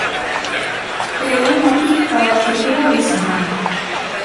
Pero un matiz cara ao que queda de semana.